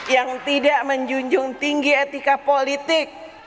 yang tidak menjunjung tinggi etika politik